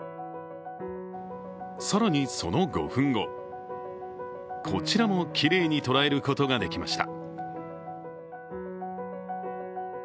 更にその５分後、こちらもきれいに捉えることができました。